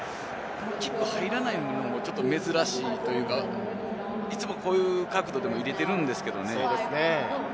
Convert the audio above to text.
キック入らないのも珍しいというか、いつもこういう角度でも入れてるんですけれどもね。